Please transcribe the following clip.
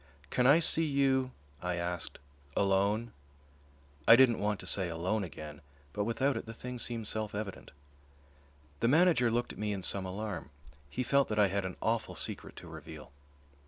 "Can I see you," I asked, "alone?" I didn't want to say "alone" again, but without it the thing seemed self evident. The manager looked at me in some alarm. He felt that I had an awful secret to reveal.